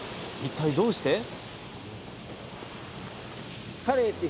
一体どうして？